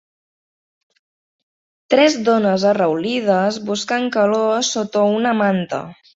Tres dones arraulides buscant calor sota una manta.